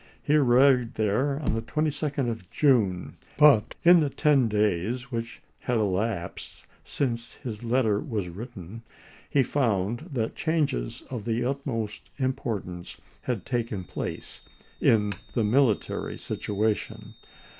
He arrived there on the 22d of June ; but, in the ten days which had elapsed since usa. his letter was written, he found that changes of the utmost importance had taken place in the military situation.